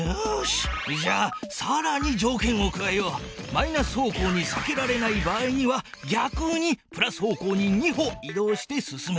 マイナス方向にさけられない場合にはぎゃくにプラス方向に２歩い動して進め！